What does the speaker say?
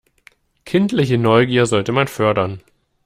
Kindliche Neugier sollte man fördern.